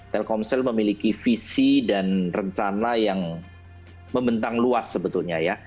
telkomsel memiliki visi dan rencana yang membentang luas sebetulnya ya